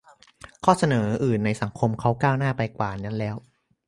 - ข้อเสนออื่นในสังคมเขาก้าวหน้าไปกว่านั้นแล้ว